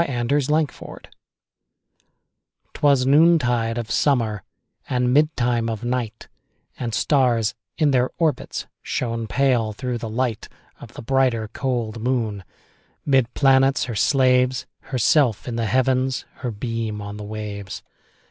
1827 Evening Star 'Twas noontide of summer, And midtime of night, And stars, in their orbits, Shone pale, through the light Of the brighter, cold moon. 'Mid planets her slaves, Herself in the Heavens, Her beam on the waves.